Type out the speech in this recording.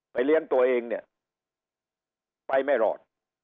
เลี้ยงตัวเองเนี่ยไปไม่รอด